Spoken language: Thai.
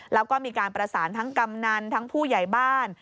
แล้วก็มีการประสานทั้งกำนันทั้งผู้ใหญ่บ้าน